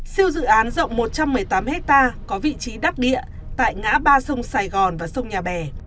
siêu dự án rộng một trăm một mươi tám hectare có vị trí đắc địa tại ngã ba sông sài gòn và sông nhà bè